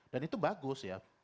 dan itu bagus ya